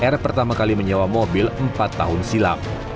r pertama kali menyewa mobil empat tahun silam